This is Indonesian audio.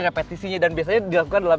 repetisinya dan biasanya dilakukan dalam